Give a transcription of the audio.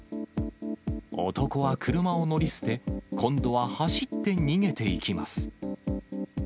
男は車を乗り捨て、今度は走って逃げていきます。